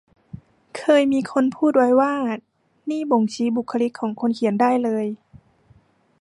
เคยมีคนพูดไว้ว่า นี่บ่งชี้บุคลิกของคนเขียนได้เลย